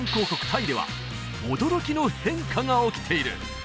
タイでは驚きの変化が起きている！